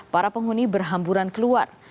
para penghuni berhamburan keluar